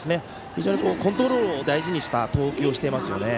非常にコントロールを大事にした投球をしていますよね。